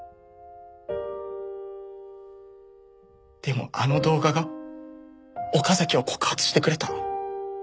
でもあの動画が岡崎を告発してくれた。